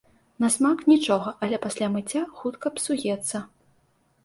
На смак нічога, але пасля мыцця хутка псуецца.